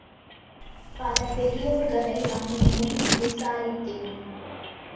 பல பெரியோர்களை அணுகியும் விச்சாரித்தேன்.